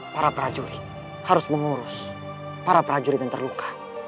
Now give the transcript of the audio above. para prajurit harus mengurus para prajurit yang terluka